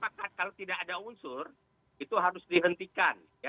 apakah kalau tidak ada unsur itu harus dihentikan